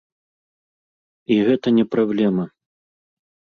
І гэта не праблема.